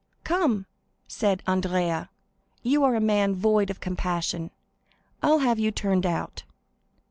"Come," said Andrea, "you are a man void of compassion; I'll have you turned out."